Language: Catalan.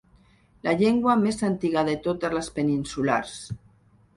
La llengua més antiga de totes les peninsulars.